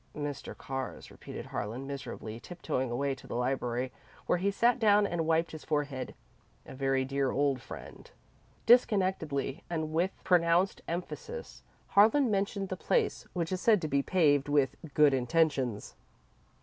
"'Mr. Carr's,'" repeated Harlan, miserably, tiptoeing away to the library, where he sat down and wiped his forehead. "'A very dear old friend.'" Disconnectedly, and with pronounced emphasis, Harlan mentioned the place which is said to be paved with good intentions.